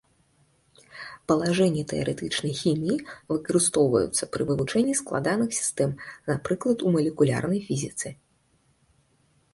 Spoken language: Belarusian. Палажэнні тэарэтычнай хіміі выкарыстоўваюцца пры вывучэнні складаных сістэм, напрыклад у малекулярнай фізіцы.